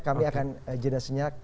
kami akan jelasinnya